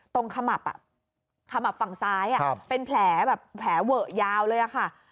ขมับขมับฝั่งซ้ายเป็นแผลแบบแผลเวอะยาวเลยค่ะ